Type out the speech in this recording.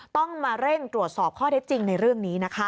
ต้องมาเร่งตรวจสอบข้อเท็จจริงในเรื่องนี้นะคะ